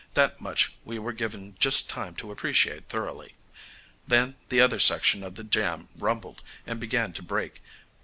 That much we were given just time to appreciate thoroughly. Then the other section of the jam rumbled and began to break.